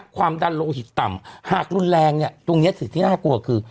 ความดันโลหิตต่ำหากรุนแรงเนี่ยตรงนี้สิ่งที่น่ากลัวคือ